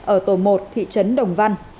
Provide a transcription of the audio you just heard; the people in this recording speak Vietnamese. ở tổ một thị trấn đồng văn